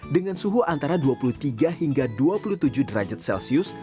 dengan suhu antara dua puluh tiga hingga dua puluh tujuh derajat celcius